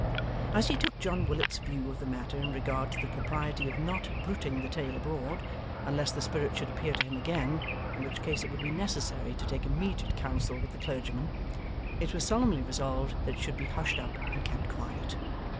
As he took John Willet's view of the matter in regard to the propriety of not bruiting the tale abroad, unless the spirit should appear to him again, in which case it would be necessary to take immediate counsel with the clergyman, it was solemnly resolved that it should be hushed up and kept quiet.